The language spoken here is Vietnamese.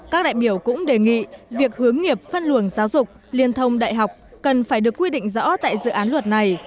các đại biểu cũng đề nghị việc hướng nghiệp phân luồng giáo dục liên thông đại học cần phải được quy định rõ tại dự án luật này